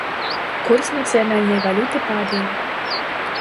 Курс нацыянальнай валюты падае.